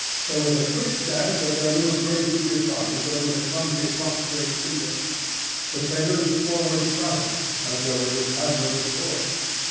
There was a quick dance of their lithe grey figured bodies over the clumsy, prostrate figure. The sailors forward shouted, as though it was admirable sport.